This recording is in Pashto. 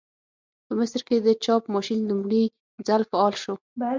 په مصر کې د چاپ ماشین لومړي ځل فعال شو.